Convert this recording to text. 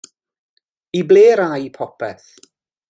I ble'r ai popeth?